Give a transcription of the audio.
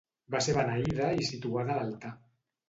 Va ser beneïda i situada a l'altar.